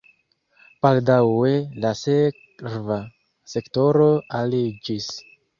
Baldaŭe la serva sektoro aliĝis.